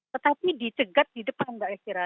tetapi dicegat di depan mbak elvira